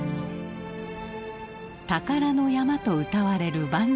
宝の山とうたわれる磐梯山。